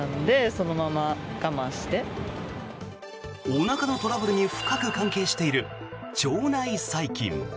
おなかのトラブルに深く関係している腸内細菌。